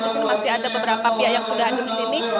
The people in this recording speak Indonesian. di sini masih ada beberapa pihak yang sudah ada di sini